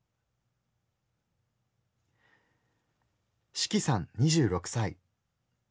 しきさん２６歳。